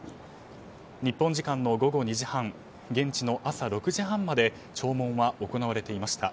日本時間の午後２時半現地の朝６時半まで弔問は行われていました。